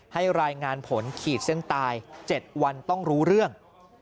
ให้รายงานผลขีดเส้นตาย๗วันต้องรู้เรื่อง